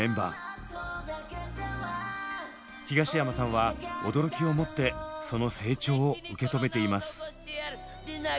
東山さんは驚きをもってその成長を受け止めています。